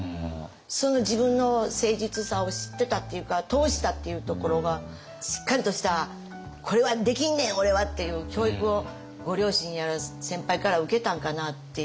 その自分の誠実さを知ってたっていうか通したっていうところがしっかりとした「これはできんねん俺は！」っていう教育をご両親やら先輩から受けたんかなっていう。